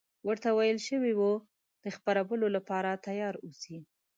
ورته ویل شوي وو د خپرولو لپاره تیار اوسي.